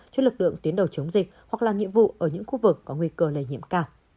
cho lực lượng tuyến đầu chống dịch hoặc làm nhiệm vụ ở những khu vực có nguy cơ lây nhiễm cao